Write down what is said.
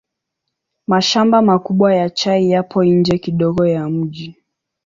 Mashamba makubwa ya chai yapo nje kidogo ya mji.